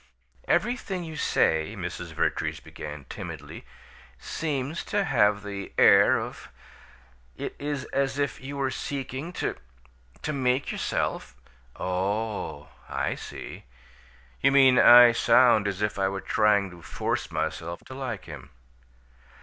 "Everything you say," Mrs. Vertrees began, timidly, "seems to have the air of it is as if you were seeking to to make yourself " "Oh, I see! You mean I sound as if I were trying to force myself to like him."